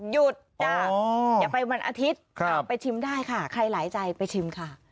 หยุดจ้ะอย่าไปวันอาทิตย์ไปชิมได้ค่ะใครหลายใจไปชิมค่ะ